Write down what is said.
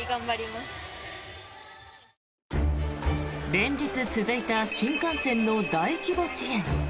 連日続いた新幹線の大規模遅延。